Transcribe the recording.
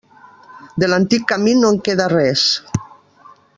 De l'antic camí no en queda res.